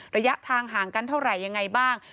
ระยะทางห่างกันเท่าไหร่ยังไงบ้าง